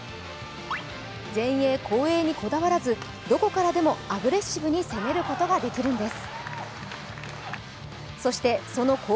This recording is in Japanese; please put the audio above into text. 前衛・後衛にこだわらずどこからでもアグレッシブに攻めることができるんです。